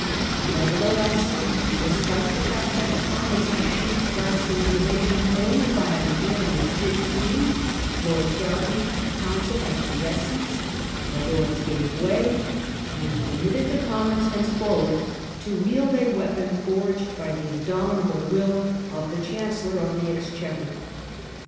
Nevertheless, despite the fact that the Commons had approved Gladstone's innovation only by a majority of fifteen, Lord Derby counselled acquiescence ; the Lords gave way, and permitted the Commons, henceforward, to wield a weapon forged by the indomit able will of the Chancellor of the Exchequer.